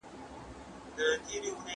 که په کور کې ډېر شور وي.